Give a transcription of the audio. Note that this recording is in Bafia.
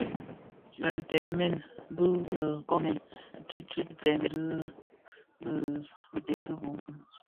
Bitenmen bi bë nkomèn ntutusèn dhi biden bi bum,